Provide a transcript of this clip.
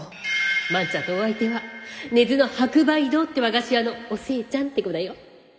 万ちゃんのお相手は根津の白梅堂って和菓子屋のお寿恵ちゃんって子だよ。